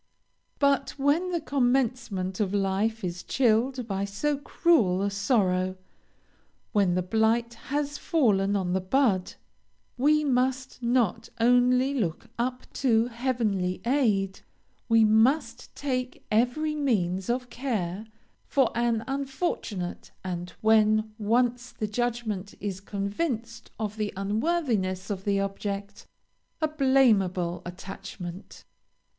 "But, when the commencement of life is chilled by so cruel a sorrow when the blight has fallen on the bud we must not only look up to heavenly aid, we must take every means of care for an unfortunate, and, when once the judgment is convinced of the unworthiness of the object, a blameable attachment.